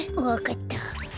わかった。